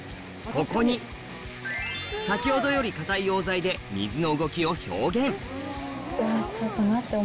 ここに先ほどより硬い溶剤で水の動きを表現ちょっと待って。